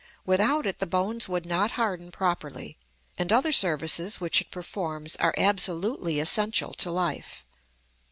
Without it the bones would hot harden properly; and other services which it performs are absolutely essential to life.